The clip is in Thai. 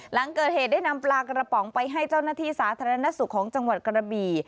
หลังเกิดเหตุได้นำปลากระป๋องไปให้เจ้าหน้าที่สาธารณสุขของจังหวัดกระบี่